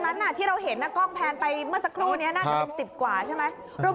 นั้นที่เราเห็นนะกล้องแพนไปเมื่อสักครู่นี้น่าจะเป็น๑๐กว่าใช่ไหม